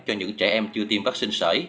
cho những trẻ em chưa tiêm vắc xin sởi